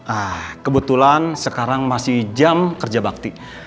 ah kebetulan sekarang masih jam kerja bakti